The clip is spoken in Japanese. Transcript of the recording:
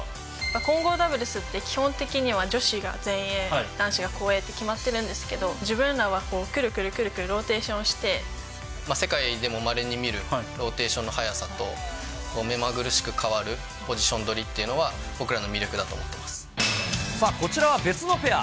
混合ダブルスって、基本的には女子が前衛、男子が後衛って決まってるんですけど、自分らはくるくるくるくる世界でもまれに見るローテーションの速さと、目まぐるしく変わるポジション取りっていうのは、さあ、こちらは別のペア。